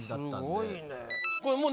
すごいね。